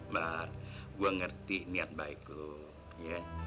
bar gue ngerti niat baik lo ya